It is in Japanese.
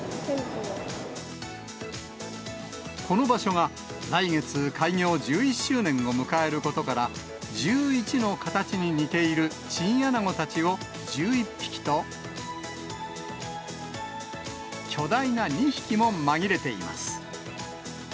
この場所が来月開業１１周年を迎えることから、１１の形に似ているチンアナゴたちを１１匹と、巨大な２匹も紛れています。